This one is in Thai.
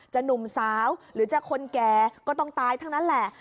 หนุ่มสาวหรือจะคนแก่ก็ต้องตายทั้งนั้นแหละ